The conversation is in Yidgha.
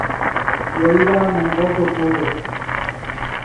یو ایدا من کوکے پور